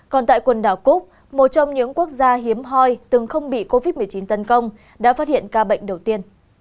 còn tại quần đảo cúc một trong những quốc gia hiếm hoi từng không bị covid một mươi chín tấn công đã phát hiện ca bệnh đầu tiên